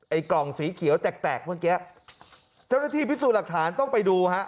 กล่องสีเขียวแตกแตกเมื่อกี้เจ้าหน้าที่พิสูจน์หลักฐานต้องไปดูฮะ